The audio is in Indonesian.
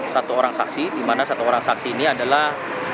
satu orang saksi di mana satu orang saksi ini adalah